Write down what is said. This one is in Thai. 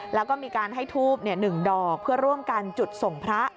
แล้วก็มีการให้ทูบ๑ดอกเพื่อร่วมกันจุดส่งพระ